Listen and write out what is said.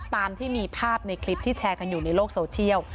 ตามที่มีภาพในคลิปที่แชร์กันอยู่ในโลกโซเชียล